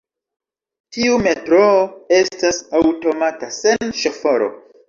Tiu metroo estas aŭtomata, sen ŝoforo.